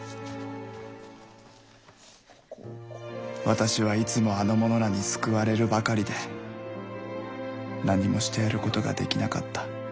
「私はいつもあの者らに救われるばかりで何もしてやることができなかった。